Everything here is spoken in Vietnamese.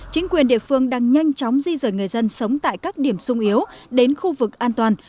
chính quyền địa phương đang nhanh chóng di rời người dân sống tại các điểm sung yếu đến khu vực an toàn